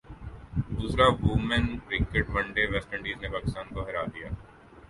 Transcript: دوسرا women cricket one day West Indies نےپاکستان کوہرادیا